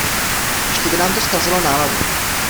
Ještě by nám to zkazilo náladu.